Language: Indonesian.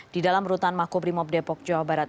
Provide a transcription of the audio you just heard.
di dalam rutan makobrimob depok jawa barat